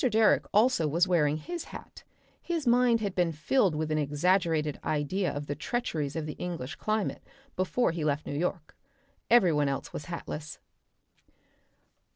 Direck also was wearing his hat, his mind had been filled with an exaggerated idea of the treacheries of the English climate before he left New York. Every one else was hatless.)